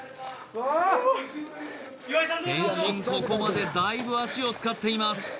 ここまでだいぶ足を使っています